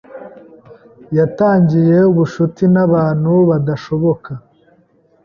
Yatangiye ubucuti nabantu badashoboka.